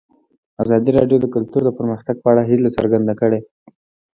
ازادي راډیو د کلتور د پرمختګ په اړه هیله څرګنده کړې.